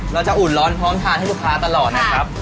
อุ่นร้อนพร้อมทานให้ลูกค้าตลอดนะครับ